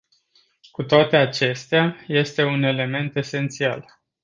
Cu toate acestea, este un element esențial.